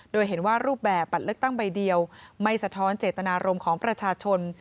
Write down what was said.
โดยเห็นว่ารูปแบบบัตรเลือกตั้งใบเดียวไม่สะท้อนเจตนารมณ์ของประชาชน